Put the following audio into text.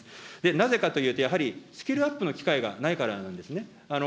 なぜかというと、やはりスキルアップの機会がないからなんですね。